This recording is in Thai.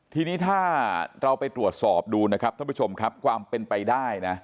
ทีนี้ถ้าเราไปตรวจสอบดูนะครับท่านผู้ชมครับความเป็นไปได้นะ